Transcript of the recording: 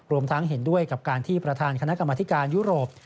รวมทั้งเห็นด้วยกับการที่ประธานคณะกรรมธิการยุโรป